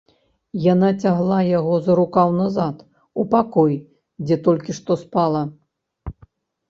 Яна цягла яго за рукаў назад у пакой, дзе толькі што спала.